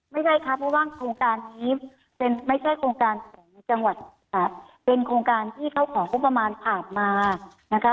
ไม่ใช่ค่ะเพราะว่าโครงการนี้ไม่ใช่โครงการของจังหวัดค่ะ